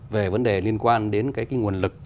về vấn đề liên quan đến cái nguồn lực